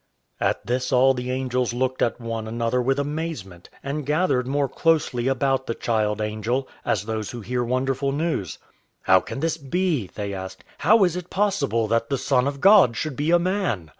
At this all the angels looked at one another with amazement, and gathered more closely about the child angel, as those who hear wonderful news. "How can this be?" they asked. "How is it possible that the Son of God should be a man?"